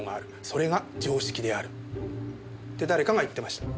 「それが常識である」って誰かが言ってました。